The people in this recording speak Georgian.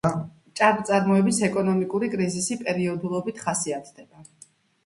ჭარბწარმოების ეკონომიკური კრიზისი პერიოდულობით ხასიათდება.